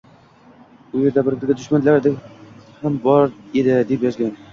u yerda bir-biriga dushmandeklari ham bor edi, deb yozgan.